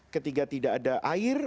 ketika tidak ada air